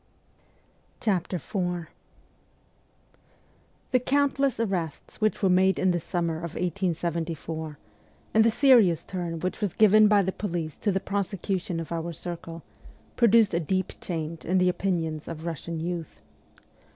IV THE countless arrests which were made in the summer of 1874, and the serious turn which was given by the police to the prosecution of our circle, produced a deep change in the opinions of Russian youth.